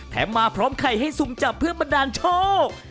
มาพร้อมไข่ให้สุ่มจับเพื่อบันดาลโชค